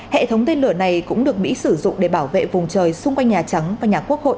hệ thống tên lửa này cũng được mỹ sử dụng để bảo vệ vùng trời xung quanh nhà trắng và nhà quốc hội